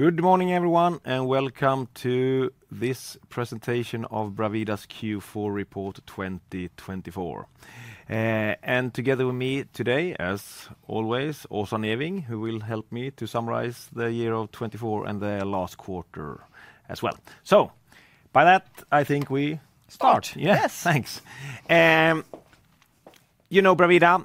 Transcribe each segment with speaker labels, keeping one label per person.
Speaker 1: Good morning, everyone, and welcome to this presentation of Bravida's Q4 Report 2024. And together with me today, as always, Åsa Neving, who will help me to summarize the year of 2024 and the last quarter as well. So with that, I think we start.
Speaker 2: Yes.
Speaker 1: Yes. Thanks. You know, Bravida,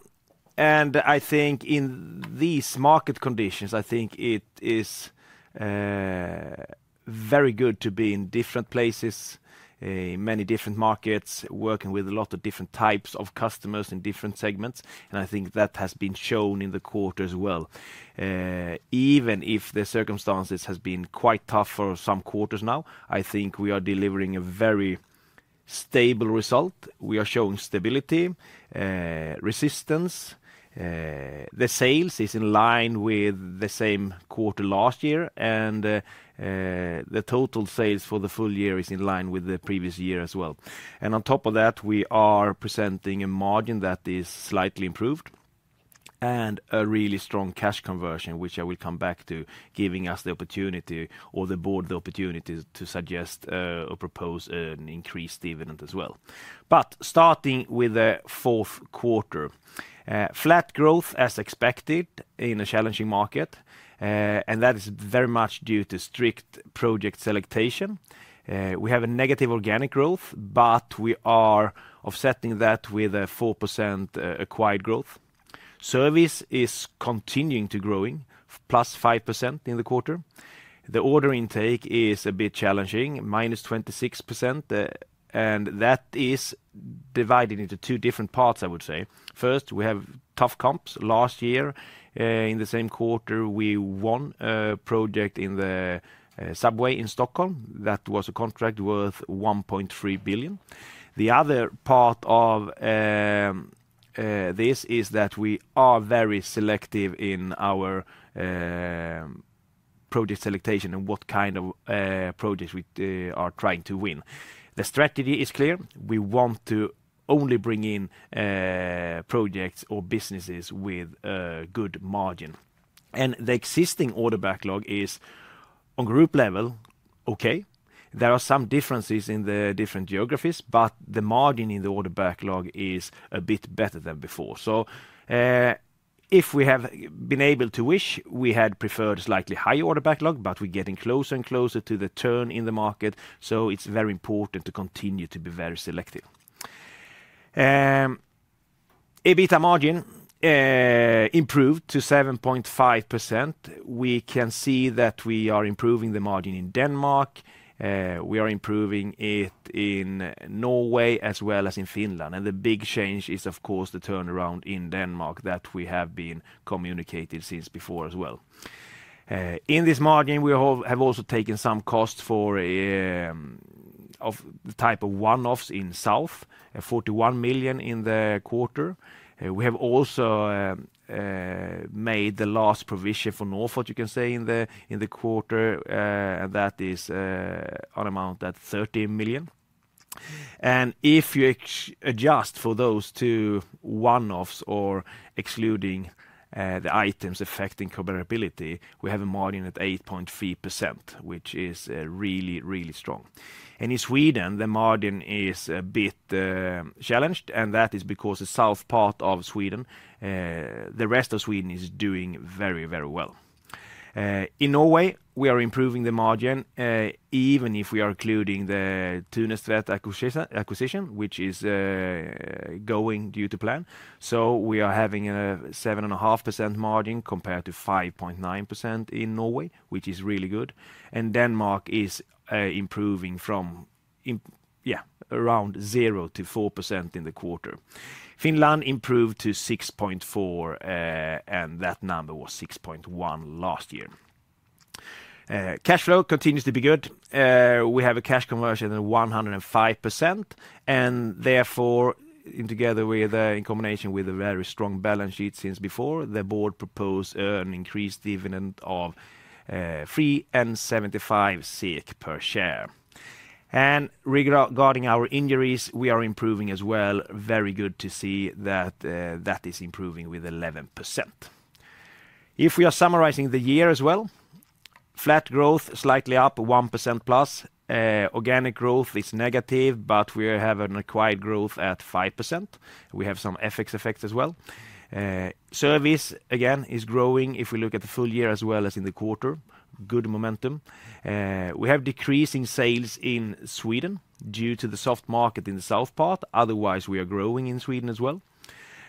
Speaker 1: and I think in these market conditions, I think it is very good to be in different places, in many different markets, working with a lot of different types of customers in different segments. And I think that has been shown in the quarter as well. Even if the circumstances have been quite tough for some quarters now, I think we are delivering a very stable result. We are showing stability, resistance. The sales is in line with the same quarter last year, and the total sales for the full year is in line with the previous year as well. And on top of that, we are presenting a margin that is slightly improved and a really strong cash conversion, which I will come back to, giving us the opportunity, or the board the opportunity to suggest or propose an increased dividend as well. Starting with the fourth quarter, flat growth as expected in a challenging market, and that is very much due to strict project selection. We have a negative organic growth, but we are offsetting that with a 4% acquired growth. Service is continuing to grow, +5% in the quarter. The order intake is a bit challenging, -26%, and that is divided into two different parts, I would say. First, we have tough comps. Last year, in the same quarter, we won a project in the subway in Stockholm. That was a contract worth 1.3 billion. The other part of this is that we are very selective in our project selection and what kind of projects we are trying to win. The strategy is clear. We want to only bring in projects or businesses with a good margin. And the existing order backlog is, on group level, okay. There are some differences in the different geographies, but the margin in the order backlog is a bit better than before, so if we have been able to wish, we had preferred a slightly higher order backlog, but we're getting closer and closer to the turn in the market. So it's very important to continue to be very selective. EBITDA margin improved to 7.5%. We can see that we are improving the margin in Denmark. We are improving it in Norway as well as in Finland, and the big change is, of course, the turnaround in Denmark that we have been communicating since before as well. In this margin, we have also taken some costs for the type of one-offs in south, 41 million in the quarter. We have also made the last provision for Northvolt, you can say, in the quarter. That is an amount at 13 million. And if you adjust for those two one-offs or excluding the items affecting comparability, we have a margin at 8.3%, which is really, really strong. And in Sweden, the margin is a bit challenged, and that is because the south part of Sweden, the rest of Sweden, is doing very, very well. In Norway, we are improving the margin, even if we are including the Thunestvedt acquisition, which is going to plan. So we are having a 7.5% margin compared to 5.9% in Norway, which is really good. And Denmark is improving from, yeah, around 0%-4% in the quarter. Finland improved to 6.4%, and that number was 6.1% last year. Cash flow continues to be good. We have a cash conversion of 105%, and therefore, together with, in combination with a very strong balance sheet since before, the board proposed an increased dividend of 3.75 SEK per share. Regarding our injuries, we are improving as well. Very good to see that that is improving with 11%. If we are summarizing the year as well, flat growth, slightly up, +1%. Organic growth is negative, but we have an acquired growth at 5%. We have some FX effects as well. Service, again, is growing. If we look at the full year as well as in the quarter, good momentum. We have decreasing sales in Sweden due to the soft market in the south part. Otherwise, we are growing in Sweden as well.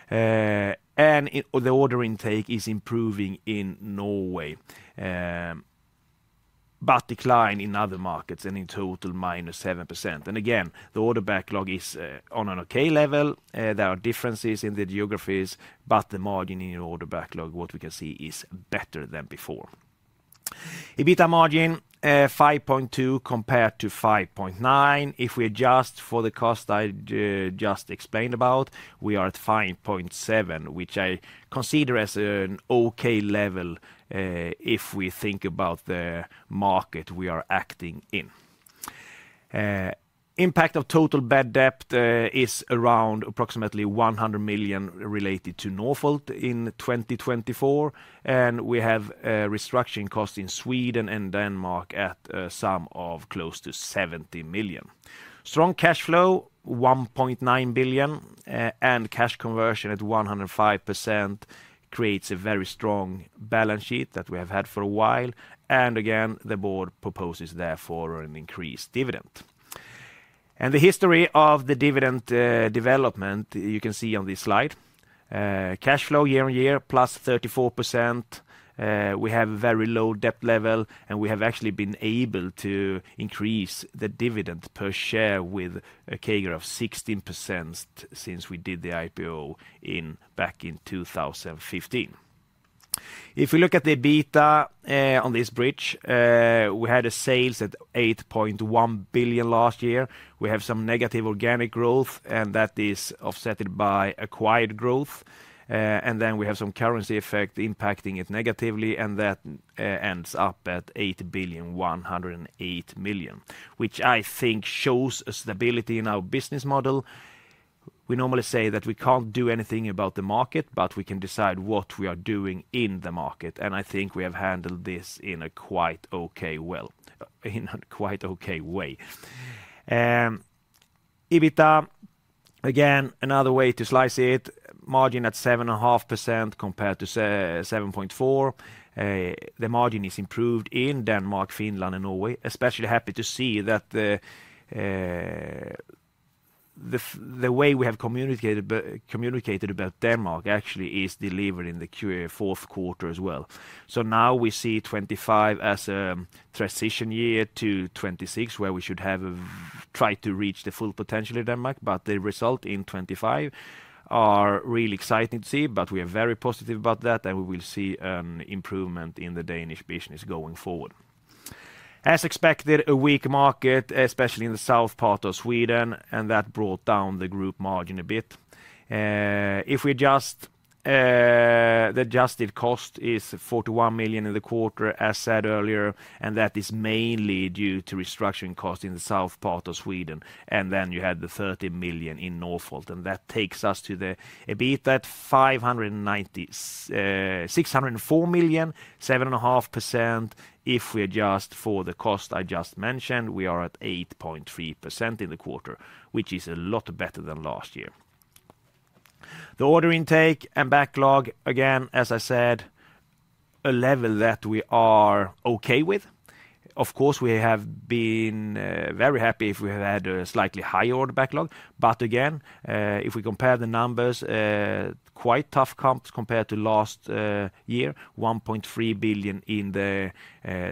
Speaker 1: The order intake is improving in Norway, but decline in other markets and in total -7%. The order backlog is on an okay level. There are differences in the geographies, but the margin in order backlog, what we can see, is better than before. EBITDA margin 5.2% compared to 5.9%. If we adjust for the cost I just explained about, we are at 5.7%, which I consider as an okay level if we think about the market we are acting in. Impact of total bad debt is around approximately 100 million related to Northvolt in 2024. We have restructuring costs in Sweden and Denmark at some of close to 70 million. Strong cash flow 1.9 billion and cash conversion at 105% creates a very strong balance sheet that we have had for a while. The board proposes therefore an increased dividend. The history of the dividend development, you can see on this slide. Cash flow year-on-year +34%. We have a very low debt level, and we have actually been able to increase the dividend per share with a CAGR of 16% since we did the IPO back in 2015. If we look at the EBITDA on this bridge, we had sales at 8.1 billion last year. We have some negative organic growth, and that is offset by acquired growth. And then we have some currency effect impacting it negatively, and that ends up at 8 billion, 108 million, which I think shows a stability in our business model. We normally say that we can't do anything about the market, but we can decide what we are doing in the market. And I think we have handled this in a quite okay way. EBITDA, again, another way to slice it, margin at 7.5% compared to 7.4%. The margin is improved in Denmark, Finland, and Norway. Especially happy to see that the way we have communicated about Denmark actually is delivered in the fourth quarter as well. So now we see 2025 as a transition year to 2026, where we should have tried to reach the full potential in Denmark, but the result in 2025 are really exciting to see, but we are very positive about that, and we will see an improvement in the Danish business going forward. As expected, a weak market, especially in the south part of Sweden, and that brought down the group margin a bit. If we adjust, the adjusted cost is 41 million in the quarter, as said earlier, and that is mainly due to restructuring costs in the south part of Sweden. And then you had the 30 million in Northvolt, and that takes us to the EBITDA at 604 million, 7.5%. If we adjust for the cost I just mentioned, we are at 8.3% in the quarter, which is a lot better than last year. The order intake and backlog, again, as I said, a level that we are okay with. Of course, we have been very happy if we had a slightly higher order backlog, but again, if we compare the numbers, quite tough comps compared to last year, 1.3 billion in the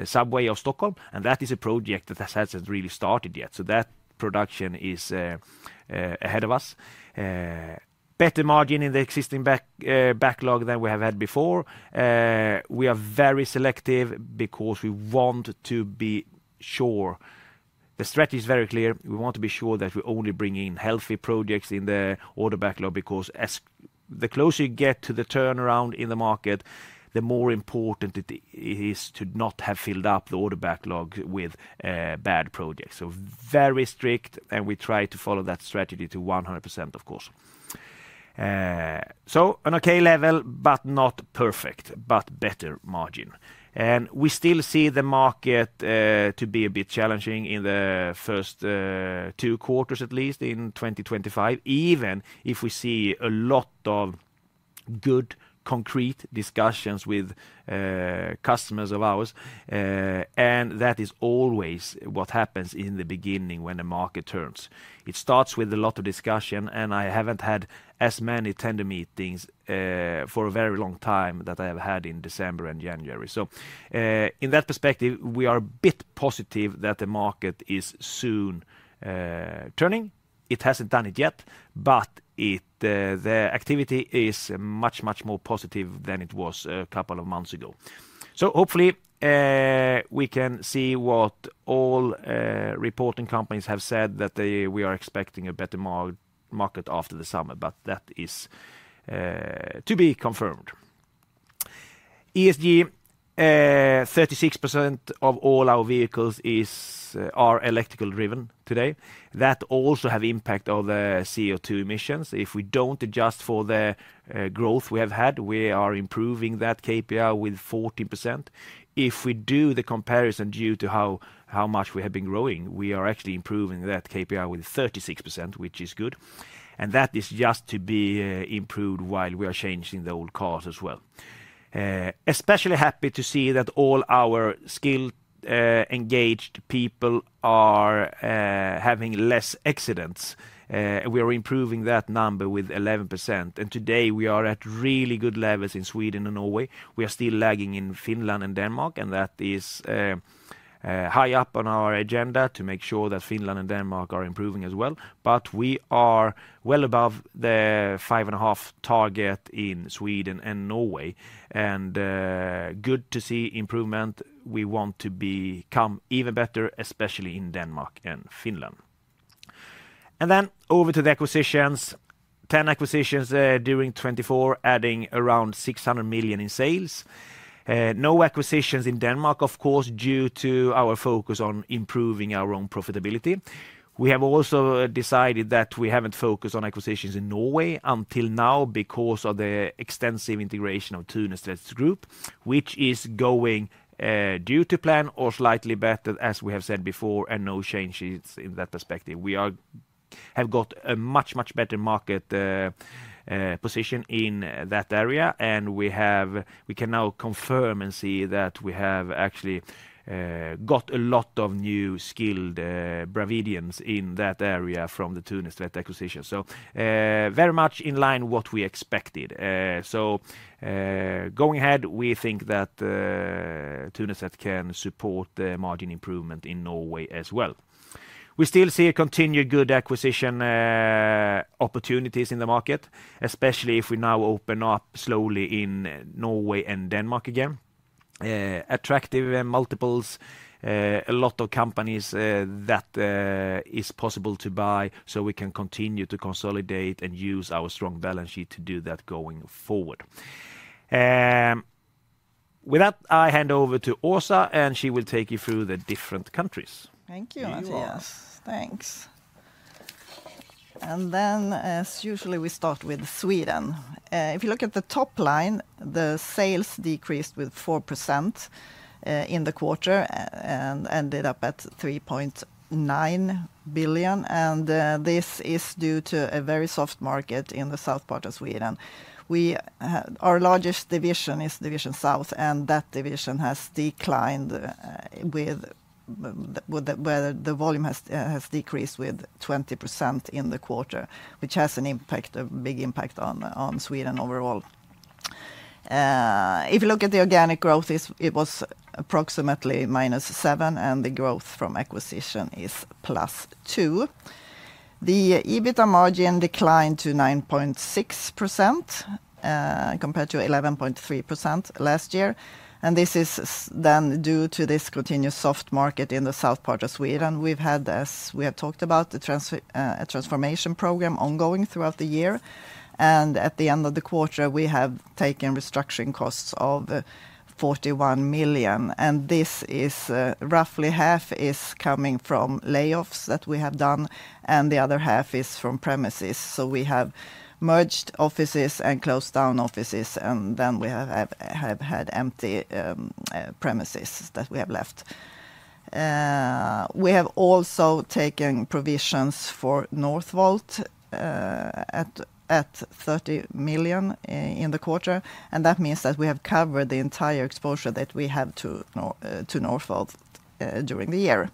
Speaker 1: subway of Stockholm, and that is a project that hasn't really started yet. So that production is ahead of us. Better margin in the existing backlog than we have had before. We are very selective because we want to be sure. The strategy is very clear. We want to be sure that we only bring in healthy projects in the order backlog because the closer you get to the turnaround in the market, the more important it is to not have filled up the order backlog with bad projects, so very strict, and we try to follow that strategy to 100%, of course, so an okay level, but not perfect, but better margin, and we still see the market to be a bit challenging in the first two quarters, at least in 2025, even if we see a lot of good concrete discussions with customers of ours, and that is always what happens in the beginning when the market turns. It starts with a lot of discussion, and I haven't had as many tender meetings for a very long time that I have had in December and January. So in that perspective, we are a bit positive that the market is soon turning. It hasn't done it yet, but the activity is much, much more positive than it was a couple of months ago. So hopefully we can see what all reporting companies have said that we are expecting a better market after the summer, but that is to be confirmed. ESG, 36% of all our vehicles are electrical-driven today. That also has an impact on the CO2 emissions. If we don't adjust for the growth we have had, we are improving that KPI with 40%. If we do the comparison due to how much we have been growing, we are actually improving that KPI with 36%, which is good. And that is just to be improved while we are changing the old cars as well. Especially happy to see that all our skilled engaged people are having less accidents. We are improving that number with 11%. And today we are at really good levels in Sweden and Norway. We are still lagging in Finland and Denmark, and that is high up on our agenda to make sure that Finland and Denmark are improving as well. But we are well above the 5.5 target in Sweden and Norway. And good to see improvement. We want to become even better, especially in Denmark and Finland. And then over to the acquisitions. 10 acquisitions during 2024, adding around 600 million in sales. No acquisitions in Denmark, of course, due to our focus on improving our own profitability. We have also decided that we haven't focused on acquisitions in Norway until now because of the extensive integration of Thunestvedt Group, which is going according to plan or slightly better, as we have said before, and no changes in that perspective. We have got a much, much better market position in that area, and we can now confirm and see that we have actually got a lot of new skilled Bravidians in that area from the Thunestvedt acquisition. So very much in line with what we expected. So going ahead, we think that Thunestvedt can support the margin improvement in Norway as well. We still see continued good acquisition opportunities in the market, especially if we now open up slowly in Norway and Denmark again. Attractive multiples, a lot of companies that it's possible to buy, so we can continue to consolidate and use our strong balance sheet to do that going forward. With that, I hand over to Åsa, and she will take you through the different countries.
Speaker 2: Thank you, Mattias. Thanks. And then, as usual, we start with Sweden. If you look at the top line, the sales decreased with 4% in the quarter and ended up at 3.9 billion. And this is due to a very soft market in the south part of Sweden. Our largest division is Division South, and that division has declined, the volume has decreased with 20% in the quarter, which has an impact, a big impact on Sweden overall. If you look at the organic growth, it was approximately -7%, and the growth from acquisition is +2%. The EBITDA margin declined to 9.6% compared to 11.3% last year. This is then due to this continuous soft market in the south part of Sweden. We've had, as we have talked about, a transformation program ongoing throughout the year. At the end of the quarter, we have taken restructuring costs of 41 million. This is roughly half is coming from layoffs that we have done, and the other half is from premises. We have merged offices and closed down offices, and then we have had empty premises that we have left. We have also taken provisions for Northvolt at 30 million in the quarter. That means that we have covered the entire exposure that we have to Northvolt during the year.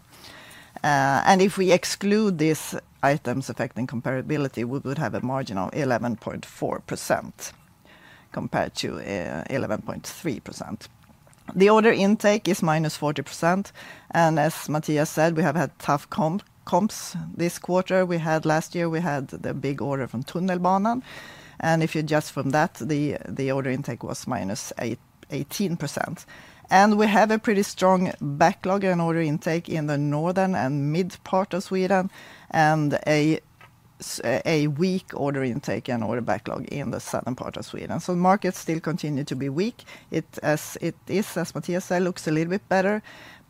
Speaker 2: If we exclude these items affecting comparability, we would have a margin of 11.4% compared to 11.3%. The order intake is -40%, and as Mattias said, we have had tough comps this quarter. We had last year, we had the big order from Tunnelbanan, and if you adjust from that, the order intake was -18%, and we have a pretty strong backlog and order intake in the northern and mid part of Sweden and a weak order intake and order backlog in the southern part of Sweden, so the market still continued to be weak. It is, as Mattias said, looks a little bit better,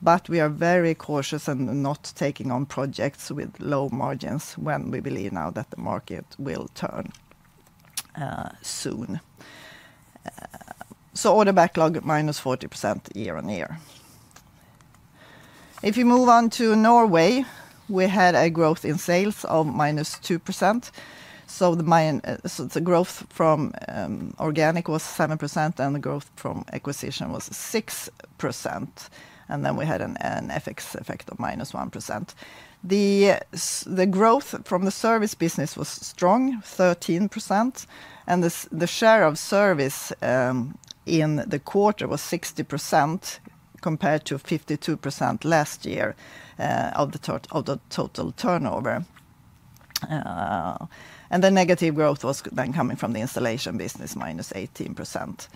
Speaker 2: but we are very cautious and not taking on projects with low margins when we believe now that the market will turn soon, so order backlog -40% year-on-year. If you move on to Norway, we had a growth in sales of -2%, so the growth from organic was 7% and the growth from acquisition was 6%. And then we had an FX effect of -1%. The growth from the service business was strong, 13%. And the share of service in the quarter was 60% compared to 52% last year of the total turnover. And the negative growth was then coming from the installation business, -18%.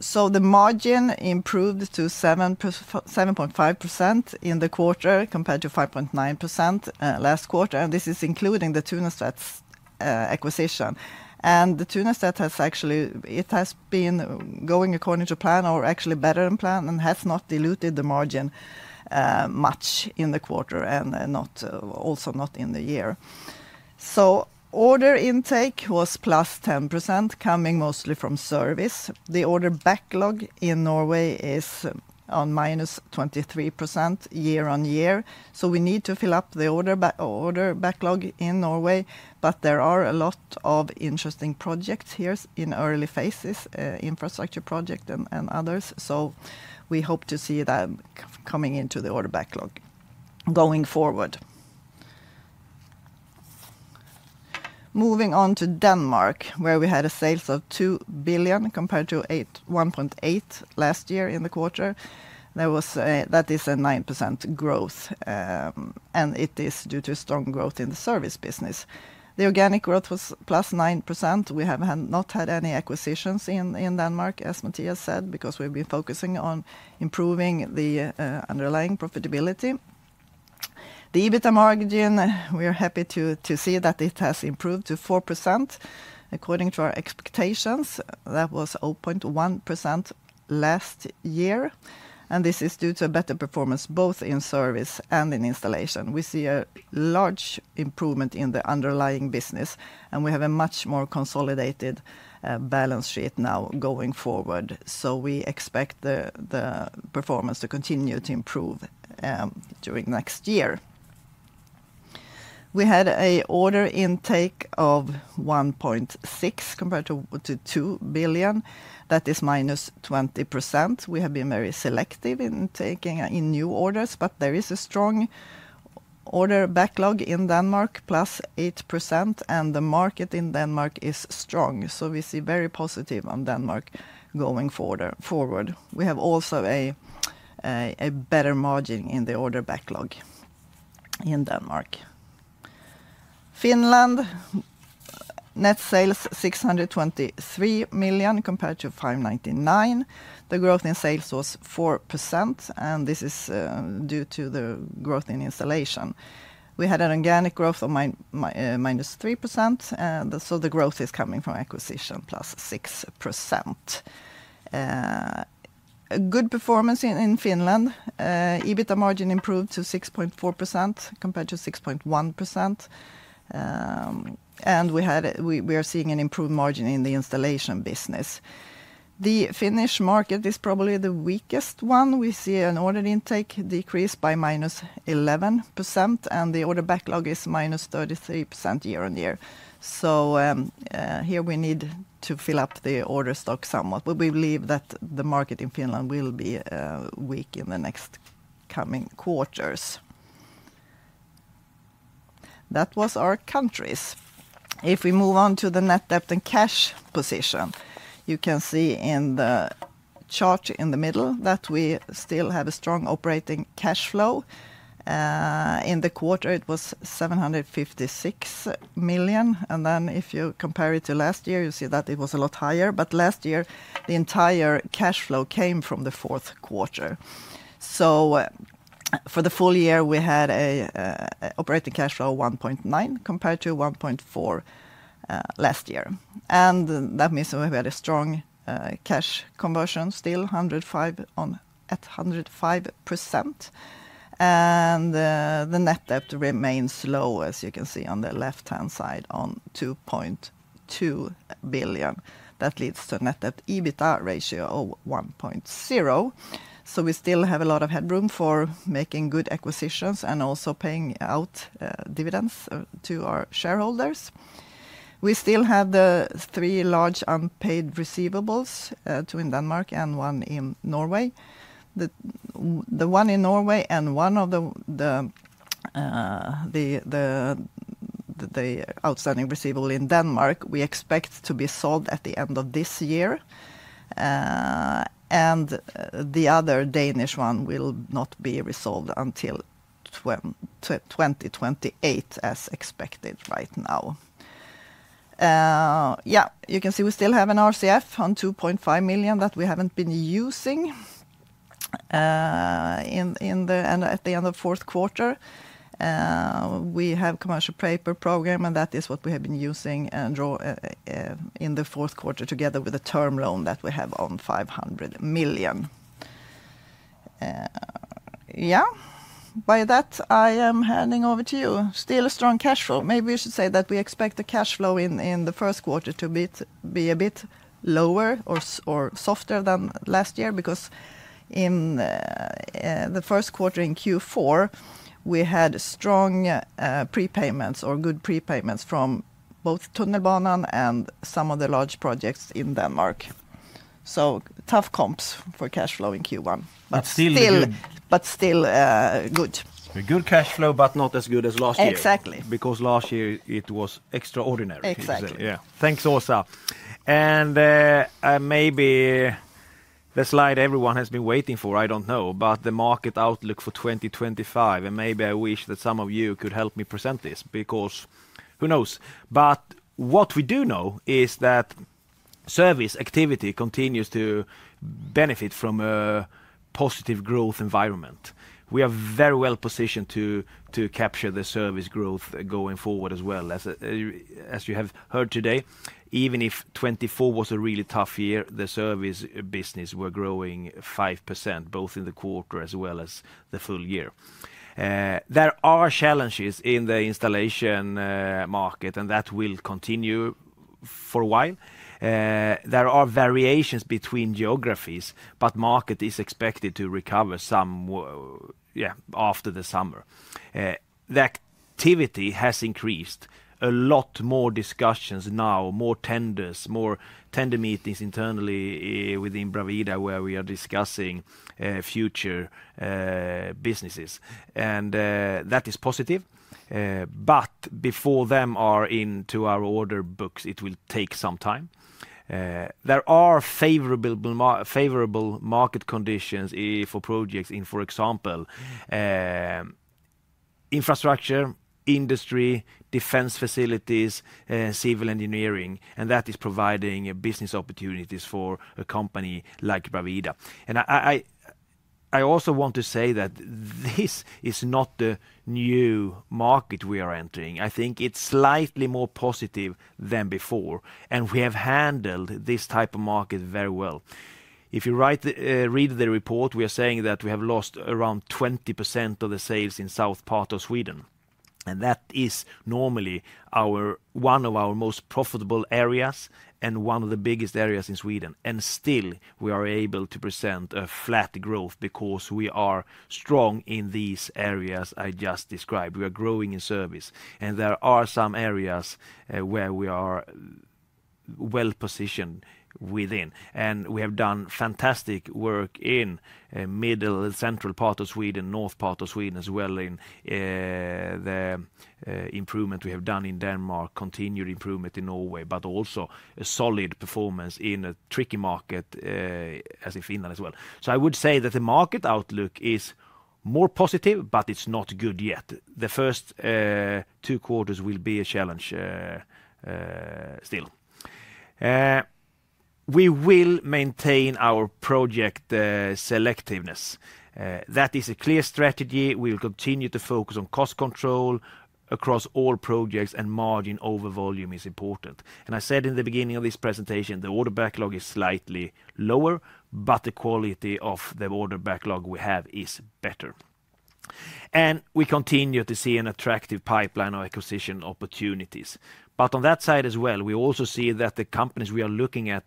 Speaker 2: So the margin improved to 7.5% in the quarter compared to 5.9% last quarter. And this is including the Thunestvedt's acquisition. And the Thunestvedt has actually, it has been going according to plan or actually better than plan and has not diluted the margin much in the quarter and also not in the year. So order intake was +10% coming mostly from service. The order backlog in Norway is on -23% year-on-year. So we need to fill up the order backlog in Norway, but there are a lot of interesting projects here in early phases, infrastructure projects and others. So we hope to see that coming into the order backlog going forward. Moving on to Denmark, where we had a sales of 2 billion compared to 1.8 billion last year in the quarter. That is a 9% growth, and it is due to strong growth in the service business. The organic growth was +9%. We have not had any acquisitions in Denmark, as Mattias said, because we've been focusing on improving the underlying profitability. The EBITDA margin, we are happy to see that it has improved to 4% according to our expectations. That was 0.1% last year. And this is due to a better performance both in service and in installation. We see a large improvement in the underlying business, and we have a much more consolidated balance sheet now going forward, so we expect the performance to continue to improve during next year. We had an order intake of 1.6 billion compared to 2 billion. That is -20%. We have been very selective in taking in new orders, but there is a strong order backlog in Denmark, +8%, and the market in Denmark is strong, so we see very positive on Denmark going forward. We have also a better margin in the order backlog in Denmark. Finland, net sales 623 million compared to 599 million. The growth in sales was 4%, and this is due to the growth in installation. We had an organic growth of -3%, so the growth is coming from acquisition, +6%. Good performance in Finland. EBITDA margin improved to 6.4% compared to 6.1%. We are seeing an improved margin in the installation business. The Finnish market is probably the weakest one. We see an order intake decrease by -11%, and the order backlog is -33% year-on-year. Here we need to fill up the order stock somewhat. We believe that the market in Finland will be weak in the next coming quarters. That was our countries. If we move on to the net debt and cash position, you can see in the chart in the middle that we still have a strong operating cash flow. In the quarter, it was 756 million. Then if you compare it to last year, you see that it was a lot higher. Last year, the entire cash flow came from the fourth quarter. So for the full year, we had an operating cash flow of 1.9 billion compared to 1.4 billion last year. And that means we had a strong cash conversion still at 105%. And the net debt remains low, as you can see on the left-hand side on 2.2 billion. That leads to a net debt EBITDA ratio of 1.0. So we still have a lot of headroom for making good acquisitions and also paying out dividends to our shareholders. We still have the three large unpaid receivables in Denmark and one in Norway. The one in Norway and one of the outstanding receivable in Denmark, we expect to be solved at the end of this year. And the other Danish one will not be resolved until 2028, as expected right now. Yeah, you can see we still have an RCF on 2.5 million that we haven't been using at the end of the fourth quarter. We have a commercial paper program, and that is what we have been using in the fourth quarter together with a term loan that we have on 500 million. Yeah, by that, I am handing over to you. Still a strong cash flow. Maybe we should say that we expect the cash flow in the first quarter to be a bit lower or softer than last year because in the first quarter in Q4, we had strong prepayments or good prepayments from both Tunnelbanan and some of the large projects in Denmark. So tough comps for cash flow in Q1.
Speaker 1: But still good.
Speaker 2: But still good.
Speaker 1: Good cash flow, but not as good as last year.
Speaker 2: Exactly.
Speaker 1: Because last year it was extraordinary.
Speaker 2: Exactly.
Speaker 1: Yeah. Thanks, Åsa. Maybe the slide everyone has been waiting for, I don't know, but the market outlook for 2025. Maybe I wish that some of you could help me present this because who knows? What we do know is that service activity continues to benefit from a positive growth environment. We are very well positioned to capture the service growth going forward as well as you have heard today. Even if 2024 was a really tough year, the service business were growing 5% both in the quarter as well as the full year. There are challenges in the installation market, and that will continue for a while. There are variations between geographies, but the market is expected to recover some, yeah, after the summer. That activity has increased. A lot more discussions now, more tenders, more tender meetings internally within Bravida where we are discussing future businesses. That is positive. Before they are into our order books, it will take some time. There are favorable market conditions for projects in, for example, infrastructure, industry, defense facilities, civil engineering, and that is providing business opportunities for a company like Bravida. I also want to say that this is not the new market we are entering. I think it's slightly more positive than before, and we have handled this type of market very well. If you read the report, we are saying that we have lost around 20% of the sales in the south part of Sweden. That is normally one of our most profitable areas and one of the biggest areas in Sweden. Still, we are able to present a flat growth because we are strong in these areas I just described. We are growing in service. And there are some areas where we are well positioned within. We have done fantastic work in the middle, central part of Sweden, north part of Sweden as well, in the improvement we have done in Denmark, continued improvement in Norway, but also a solid performance in a tricky market as in Finland as well. So I would say that the market outlook is more positive, but it's not good yet. The first two quarters will be a challenge still. We will maintain our project selectiveness. That is a clear strategy. We will continue to focus on cost control across all projects, and margin over volume is important. And I said in the beginning of this presentation, the order backlog is slightly lower, but the quality of the order backlog we have is better. And we continue to see an attractive pipeline of acquisition opportunities. But on that side as well, we also see that the companies we are looking at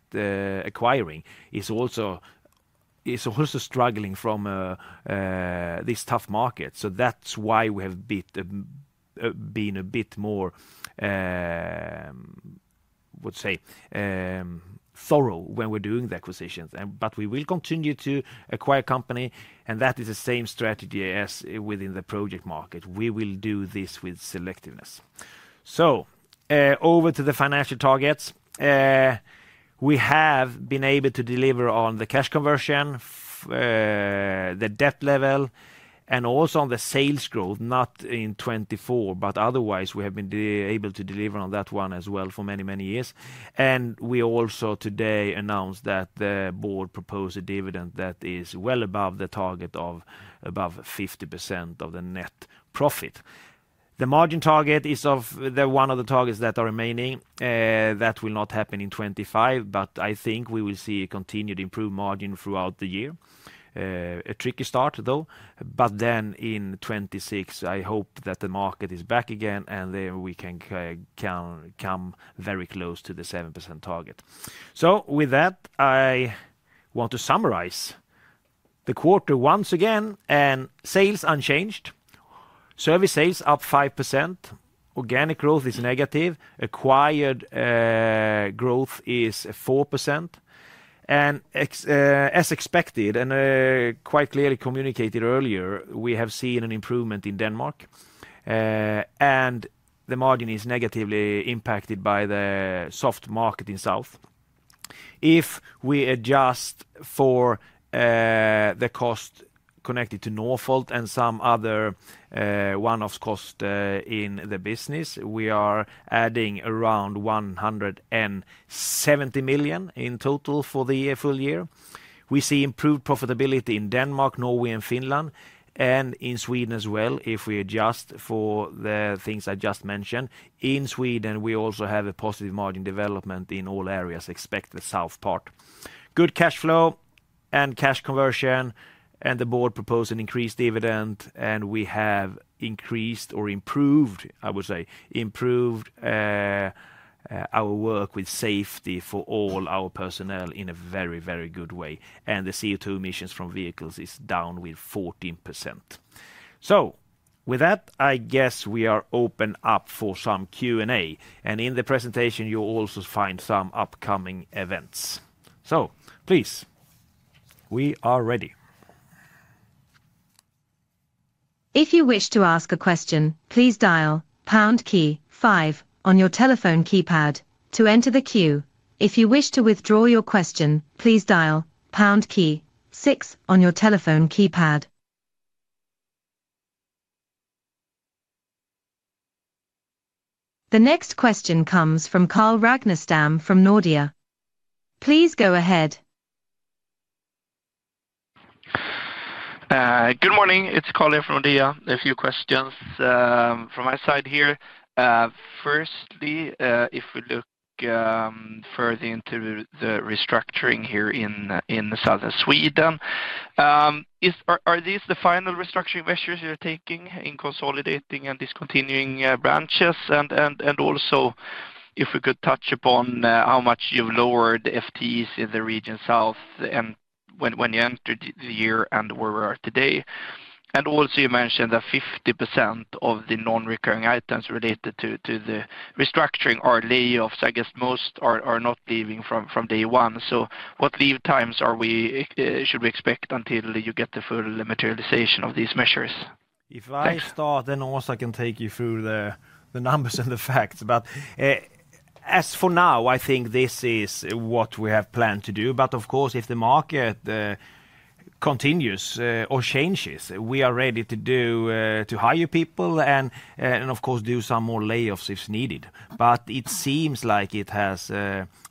Speaker 1: acquiring are also struggling from these tough markets. So that's why we have been a bit more, I would say, thorough when we're doing the acquisitions. But we will continue to acquire companies, and that is the same strategy as within the project market. We will do this with selectiveness. So over to the financial targets. We have been able to deliver on the cash conversion, the debt level, and also on the sales growth, not in 2024, but otherwise we have been able to deliver on that one as well for many, many years. And we also today announced that the board proposed a dividend that is well above the target of above 50% of the net profit. The margin target is one of the targets that are remaining. That will not happen in 2025, but I think we will see a continued improved margin throughout the year. A tricky start, though, but then in 2026, I hope that the market is back again, and then we can come very close to the 7% target, so with that, I want to summarize the quarter once again, and sales unchanged. Service sales up 5%. Organic growth is negative. Acquired growth is 4%. And as expected, and quite clearly communicated earlier, we have seen an improvement in Denmark, and the margin is negatively impacted by the soft market in south. If we adjust for the cost connected to Northvolt and some other one-off cost in the business, we are adding around 170 million in total for the full year. We see improved profitability in Denmark, Norway, and Finland. And in Sweden as well, if we adjust for the things I just mentioned. In Sweden, we also have a positive margin development in all areas expected in the south part. Good cash flow and cash conversion. And the board proposed an increased dividend, and we have increased or improved, I would say, improved our work with safety for all our personnel in a very, very good way. And the CO2 emissions from vehicles is down with 14%. So with that, I guess we are open up for some Q&A. And in the presentation, you'll also find some upcoming events. So please, we are ready.
Speaker 3: If you wish to ask a question, please dial pound key five on your telephone keypad to enter the queue. If you wish to withdraw your question, please dial pound key six on your telephone keypad. The next question comes from Carl Ragnerstam from Nordea. Please go ahead.
Speaker 4: Good morning. It's Carl here from Nordea. A few questions from my side here. Firstly, if we look further into the restructuring here in Southern Sweden, are these the final restructuring measures you're taking in consolidating and discontinuing branches? And also, if we could touch upon how much you've lowered the FTEs in the region south when you entered the year and where we are today. And also, you mentioned that 50% of the non-recurring items related to the restructuring are layoffs. I guess most are not leaving from day one. So what leave times should we expect until you get the full materialization of these measures?
Speaker 1: If I start, then Åsa can take you through the numbers and the facts. But as for now, I think this is what we have planned to do. But of course, if the market continues or changes, we are ready to hire people and, of course, do some more layoffs if needed. But it seems like it has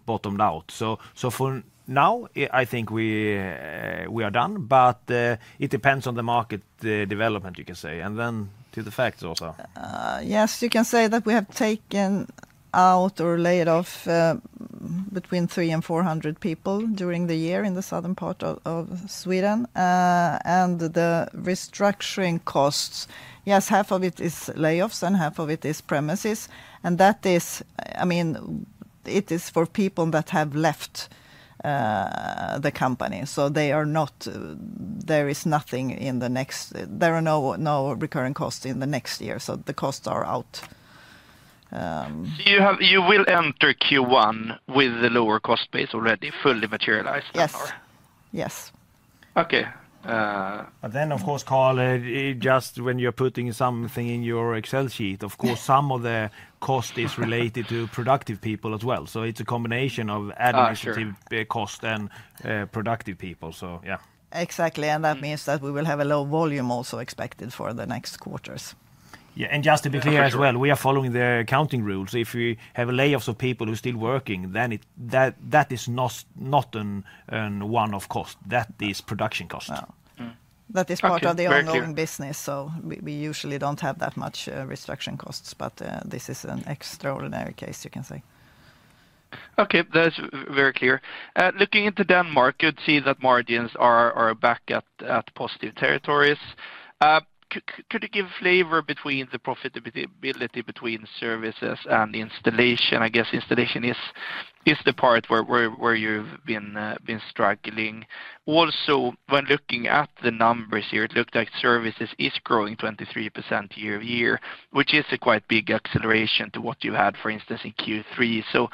Speaker 1: bottomed out. So for now, I think we are done. But it depends on the market development, you can say. And then to the facts, Åsa.
Speaker 2: Yes, you can say that we have taken out or laid off between 300 and 400 people during the year in the southern part of Sweden. And the restructuring costs, yes, half of it is layoffs and half of it is premises. And that is, I mean, it is for people that have left the company. So they are not, there is nothing in the next, there are no recurring costs in the next year, so the costs are out.
Speaker 4: You will enter Q1 with the lower cost base already fully materialized?
Speaker 2: Yes. Yes.
Speaker 4: Okay.
Speaker 1: But then, of course, Carl, just when you're putting something in your Excel sheet, of course, some of the cost is related to productive people as well. So it's a combination of administrative cost and productive people. So yeah.
Speaker 2: Exactly. And that means that we will have a low volume also expected for the next quarters. Yeah. And just to be clear as well, we are following the accounting rules. If we have layoffs of people who are still working, then that is not one-off cost. That is production cost. That is part of the ongoing business. So we usually don't have that much restructuring costs. But this is an extraordinary case, you can say.
Speaker 4: Okay. That's very clear. Looking into Denmark, you'd see that margins are back at positive territories. Could you give a flavor between the profitability between services and installation? I guess installation is the part where you've been struggling. Also, when looking at the numbers here, it looked like services is growing 23% year-over-year, which is a quite big acceleration to what you had, for instance, in Q3. So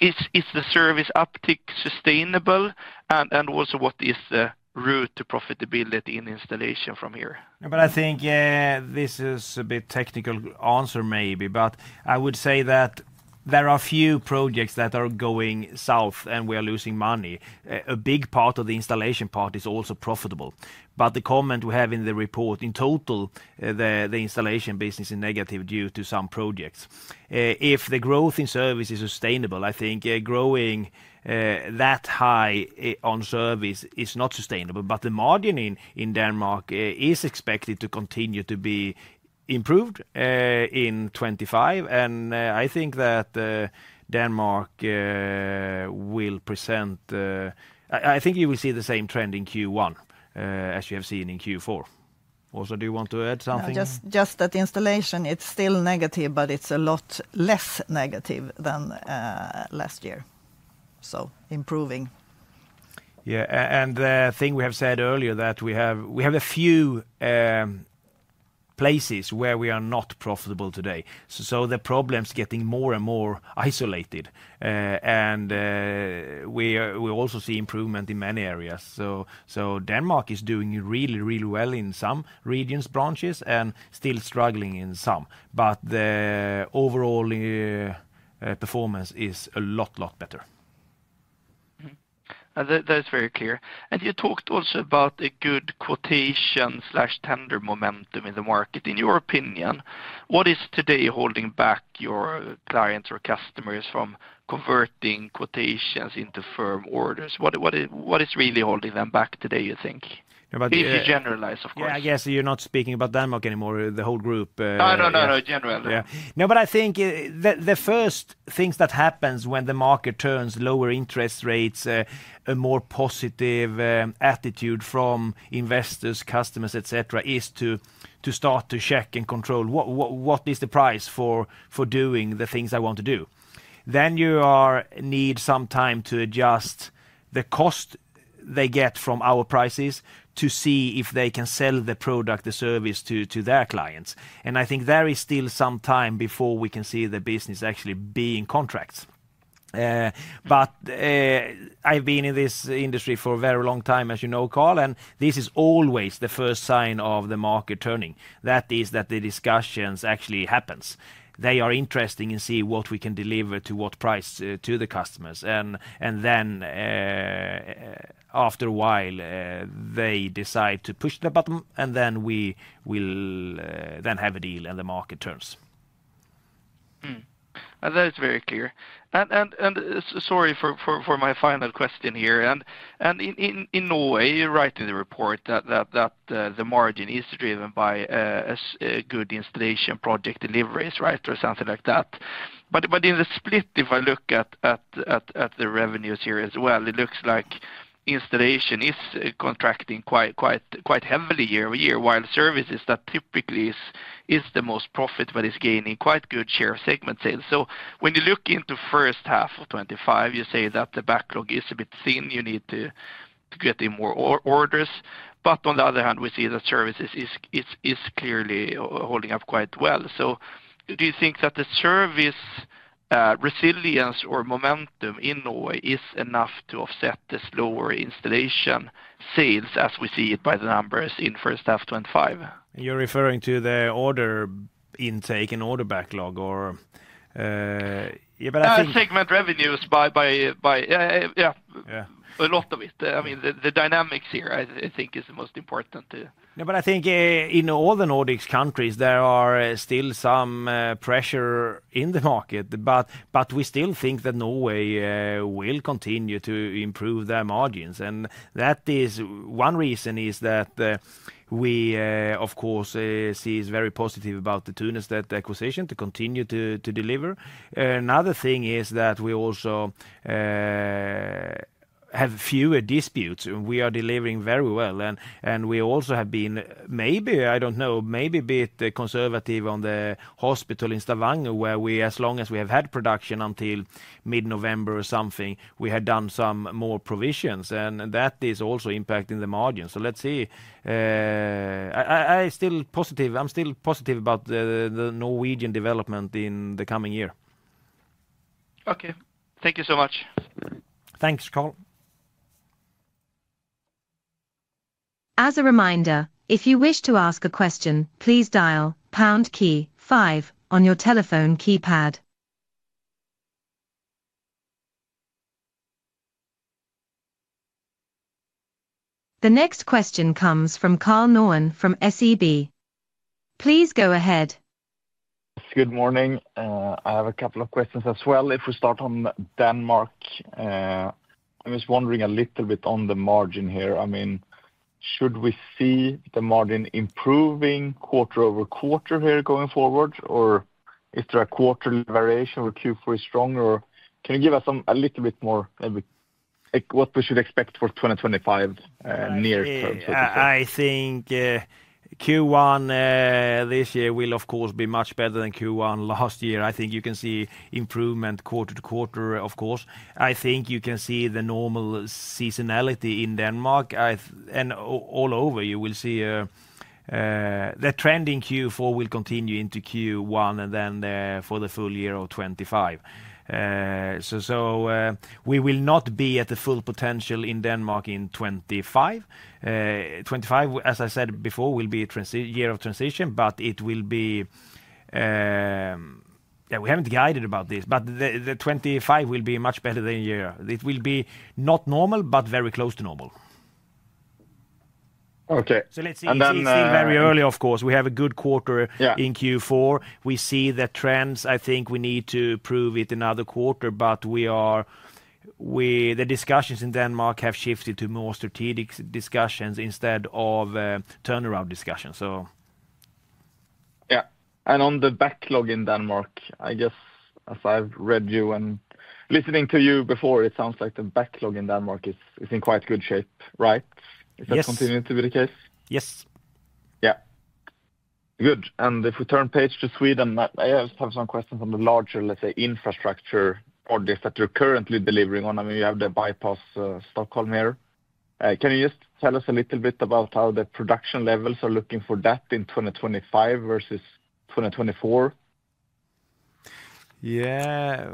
Speaker 4: is the service uptick sustainable? And also, what is the route to profitability in installation from here?
Speaker 1: But I think this is a bit technical answer maybe. But I would say that there are a few projects that are going south and we are losing money. A big part of the installation part is also profitable. But the comment we have in the report, in total, the installation business is negative due to some projects. If the growth in service is sustainable, I think growing that high on service is not sustainable. But the margin in Denmark is expected to continue to be improved in 2025. I think that Denmark will present. I think you will see the same trend in Q1 as you have seen in Q4. Åsa, do you want to add something?
Speaker 2: Just that installation; it's still negative, but it's a lot less negative than last year. So improving.
Speaker 1: Yeah. And the thing we have said earlier that we have a few places where we are not profitable today. So the problem is getting more and more isolated. And we also see improvement in many areas. So Denmark is doing really, really well in some regions' branches and still struggling in some but the overall performance is a lot, lot better.
Speaker 4: That's very clear. And you talked also about the good quotation/tender momentum in the market. In your opinion, what is today holding back your clients or customers from converting quotations into firm orders? What is really holding them back today, you think? If you generalize, of course.
Speaker 1: Yeah, I guess you're not speaking about Denmark anymore, the whole group.
Speaker 4: No, no, no, no, generally.
Speaker 1: No, but I think the first things that happen when the market turns, lower interest rates, a more positive attitude from investors, customers, etc., is to start to check and control what is the price for doing the things I want to do. Then you need some time to adjust the cost they get from our prices to see if they can sell the product, the service to their clients. And I think there is still some time before we can see the business actually be in contracts. But I've been in this industry for a very long time, as you know, Carl, and this is always the first sign of the market turning. That is that the discussions actually happen. They are interested in seeing what we can deliver to what price to the customers, and then after a while, they decide to push the button, and then we will then have a deal and the market turns.
Speaker 4: That's very clear, and sorry for my final question here. In Norway, you write in the report that the margin is driven by good installation project deliveries, right, or something like that, but in the split, if I look at the revenues here as well, it looks like installation is contracting quite heavily year over year, while services that typically is the most profitable is gaining quite a good share of segment sales, so when you look into first half of 2025, you say that the backlog is a bit thin. You need to get in more orders. But on the other hand, we see that services is clearly holding up quite well. So do you think that the service resilience or momentum in Norway is enough to offset the slower installation sales as we see it by the numbers in first half 2025?
Speaker 1: You're referring to the order intake and order backlog, or? Yeah, but I think...
Speaker 4: Segment revenues by a lot of it. I mean, the dynamics here, I think, is the most important to.
Speaker 1: Yeah, but I think in all the Nordic countries, there are still some pressure in the market. But we still think that Norway will continue to improve their margins. And that is one reason is that we, of course, see very positive about the Thunestvedt acquisition to continue to deliver. Another thing is that we also have fewer disputes. We are delivering very well. And we also have been maybe, I don't know, maybe a bit conservative on the hospital in Stavanger, where we, as long as we have had production until mid-November or something, we had done some more provisions. And that is also impacting the margins. So let's see. I'm still positive about the Norwegian development in the coming year.
Speaker 4: Okay. Thank you so much.
Speaker 1: Thanks, Carl.
Speaker 3: As a reminder, if you wish to ask a question, please dial pound key five on your telephone keypad. The next question comes from Karl Norén from SEB. Please go ahead.
Speaker 5: Good morning. I have a couple of questions as well. If we start on Denmark, I was wondering a little bit on the margin here. I mean, should we see the margin improving quarter over quarter here going forward, or is there a quarterly variation where Q4 is stronger? Or can you give us a little bit more maybe what we should expect for 2025 near term?
Speaker 1: I think Q1 this year will, of course, be much better than Q1 last year. I think you can see improvement quarter to quarter, of course. I think you can see the normal seasonality in Denmark, and all over, you will see the trend in Q4 will continue into Q1 and then for the full year of 2025, so we will not be at the full potential in Denmark in 2025. 2025, as I said before, will be a year of transition, but it will be, yeah, we haven't guided about this, but the 2025 will be much better than a year. It will be not normal, but very close to normal.
Speaker 5: Okay, and then...
Speaker 1: We see very early, of course, we have a good quarter in Q4. We see the trends. I think we need to prove it in another quarter, but the discussions in Denmark have shifted to more strategic discussions instead of turnaround discussions, so.
Speaker 5: Yeah. And on the backlog in Denmark, I guess, as I've heard you and listening to you before, it sounds like the backlog in Denmark is in quite good shape, right? Is that continuing to be the case?
Speaker 1: Yes.
Speaker 5: Yeah. Good. And if we turn page to Sweden, I just have some questions on the larger, let's say, infrastructure projects that you're currently delivering on. I mean, you have the Bypass Stockholm here. Can you just tell us a little bit about how the production levels are looking for that in 2025 versus 2024?
Speaker 1: Yeah.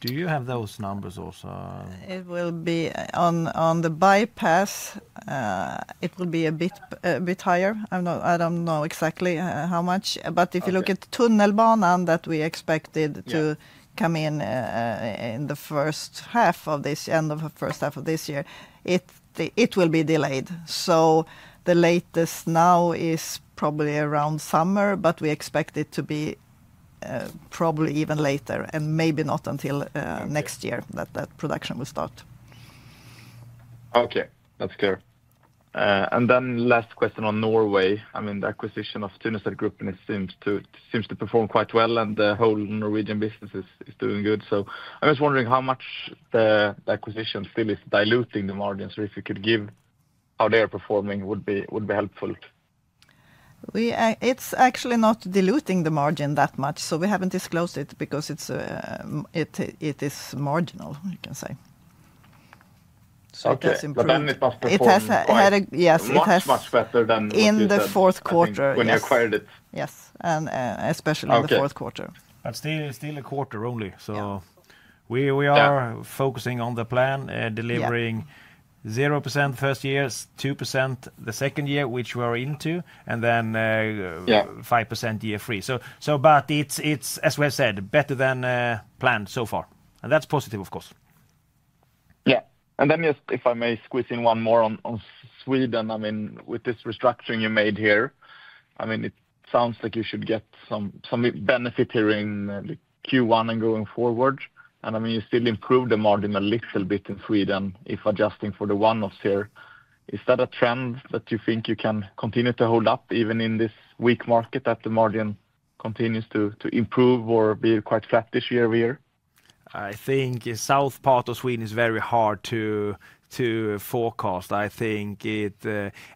Speaker 1: Do you have those numbers, Åsa?
Speaker 2: It will be on the bypass. It will be a bit higher. I don't know exactly how much. But if you look at Tunnelbanan that we expected to come in in the first half of this year, end of the first half of this year, it will be delayed. So the latest now is probably around summer, but we expect it to be probably even later and maybe not until next year that production will start.
Speaker 5: Okay. That's clear. And then last question on Norway. I mean, the acquisition of Thunestvedt Group seems to perform quite well, and the whole Norwegian business is doing good. So I'm just wondering how much the acquisition still is diluting the margins or if you could give how they are performing would be helpful.
Speaker 2: It's actually not diluting the margin that much. So we haven't disclosed it because it is marginal, you can say.
Speaker 5: So it has improved. But then it must perform better. Yes, it's much better than when you acquired it.
Speaker 2: Yes. And especially in the fourth quarter.
Speaker 1: But still a quarter only. So we are focusing on the plan, delivering 0% the first year, 2% the second year, which we are into, and then 5% year three. But it's, as we said, better than planned so far. And that's positive, of course.
Speaker 5: Yeah. And then just if I may squeeze in one more on Sweden, I mean, with this restructuring you made here, I mean, it sounds like you should get some benefit here in Q1 and going forward. And I mean, you still improved the margin a little bit in Sweden if adjusting for the one-offs here. Is that a trend that you think you can continue to hold up even in this weak market that the margin continues to improve or be quite flat this year-over-year?
Speaker 1: I think the south part of Sweden is very hard to forecast. I think it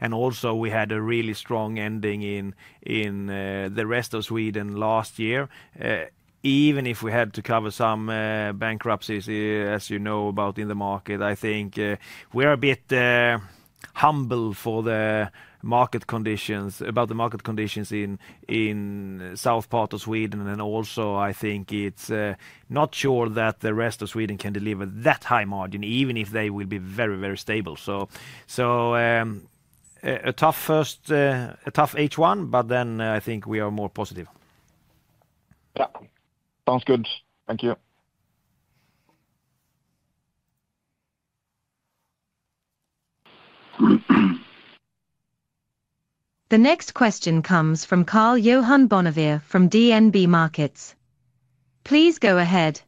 Speaker 1: and also we had a really strong ending in the rest of Sweden last year. Even if we had to cover some bankruptcies, as you know about in the market, I think we're a bit humble for the market conditions about the market conditions in the south part of Sweden. And also, I think it's not sure that the rest of Sweden can deliver that high margin, even if they will be very, very stable. So a tough first, a tough H1, but then I think we are more positive.
Speaker 5: Yeah. Sounds good. Thank you.
Speaker 3: The next question comes from Karl-Johan Bonnevier from DNB Markets. Please go ahead.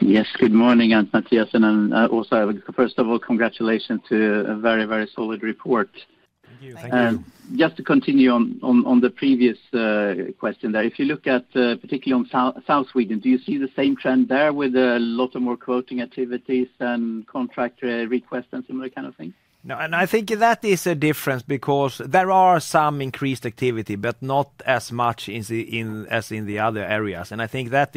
Speaker 6: Yes. Good morning, Mattias. And Åsa, first of all, congratulations to a very, very solid report.
Speaker 1: Thank you.
Speaker 2: Thank you.
Speaker 6: And just to continue on the previous question there, if you look at particularly on Southern Sweden, do you see the same trend there with a lot of more quoting activities and contract requests and similar kind of things?
Speaker 1: No. And I think that is a difference because there are some increased activity, but not as much as in the other areas. And I think that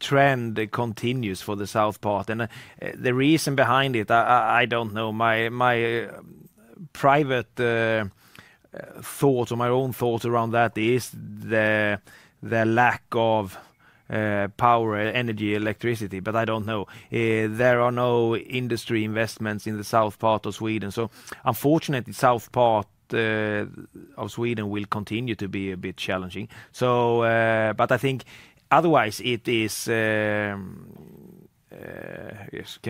Speaker 1: trend continues for the south part. And the reason behind it, I don't know. My private thoughts or my own thoughts around that is the lack of power, energy, electricity. But I don't know. There are no industry investments in the south part of Sweden. So unfortunately, the south part of Sweden will continue to be a bit challenging. But I think otherwise it is, can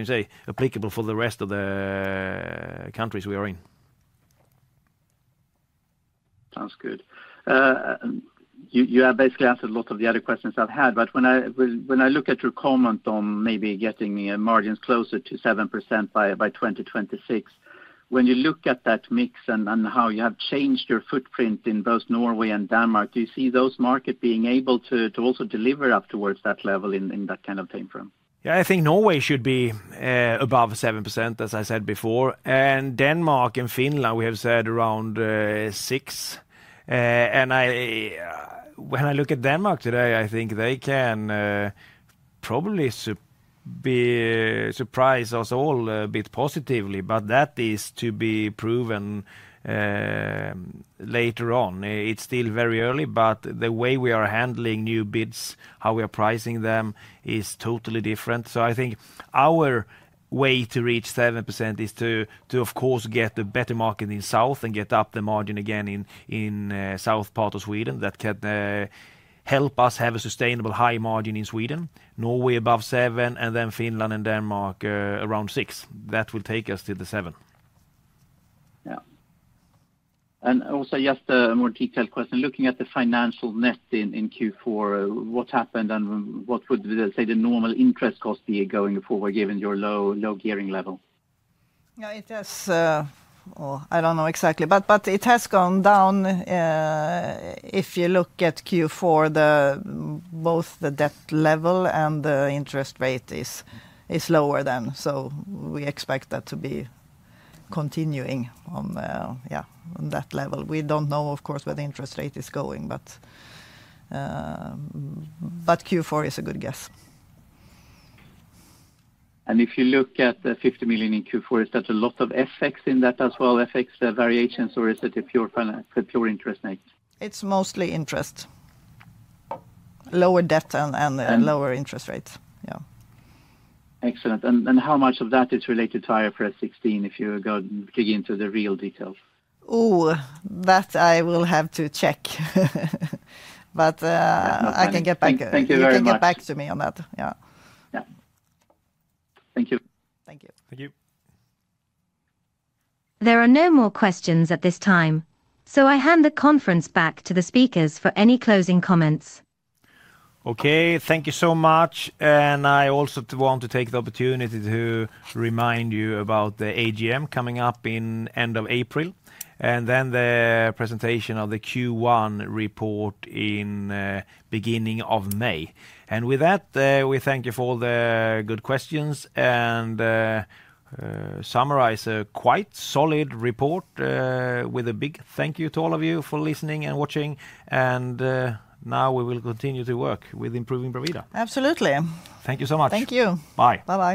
Speaker 1: you say, applicable for the rest of the countries we are in.
Speaker 6: Sounds good. You have basically answered a lot of the other questions I've had. But when I look at your comment on maybe getting margins closer to 7% by 2026, when you look at that mix and how you have changed your footprint in both Norway and Denmark, do you see those markets being able to also deliver up towards that level in that kind of timeframe?
Speaker 1: Yeah, I think Norway should be above 7%, as I said before, and Denmark and Finland, we have said around 6%, and when I look at Denmark today, I think they can probably surprise us all a bit positively, but that is to be proven later on. It's still very early, but the way we are handling new bids, how we are pricing them is totally different. So I think our way to reach 7% is to, of course, get a better market in south and get up the margin again in the south part of Sweden that can help us have a sustainable high margin in Sweden, Norway above 7%, and then Finland and Denmark around 6%. That will take us to the 7%.
Speaker 6: Yeah. And also just a more detailed question. Looking at the financial net in Q4, what happened and what would, let's say, the normal interest cost be going forward given your low gearing level?
Speaker 2: Yeah, it has, well, I don't know exactly, but it has gone down. If you look at Q4, both the debt level and the interest rate is lower then. So we expect that to be continuing on that level. We don't know, of course, where the interest rate is going, but Q4 is a good guess.
Speaker 6: If you look at 50 million in Q4, is that a lot of FX in that as well, FX variations, or is it a pure interest rate?
Speaker 2: It's mostly interest. Lower debt and lower interest rates. Yeah.
Speaker 6: Excellent. How much of that is related to IFRS 16 if you go dig into the real details?
Speaker 2: Oh, that I will have to check but I can get back to you on that.
Speaker 6: Thank you very much.
Speaker 2: Yeah.
Speaker 6: Thank you.
Speaker 2: Thank you.
Speaker 1: Thank you.
Speaker 3: There are no more questions at this time, so I hand the conference back to the speakers for any closing comments.
Speaker 1: Okay. Thank you so much. I also want to take the opportunity to remind you about the AGM coming up in the end of April and then the presentation of the Q1 report in the beginning of May. And with that, we thank you for all the good questions and summarize a quite solid report with a big thank you to all of you for listening and watching. And now we will continue to work with improving Bravida.
Speaker 2: Absolutely.
Speaker 1: Thank you so much.
Speaker 2: Thank you.
Speaker 1: Bye.
Speaker 2: Bye-bye.